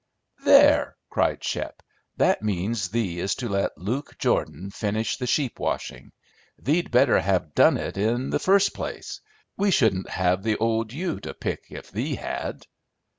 "There!" cried Shep. "That means thee is to let Luke Jordan finish the sheep washing. Thee'd better have done it in the first place. We shouldn't have the old ewe to pick if thee had."